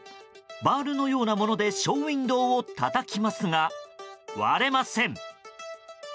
バールのようなものでショーウィンドーをたたきますが、割れません。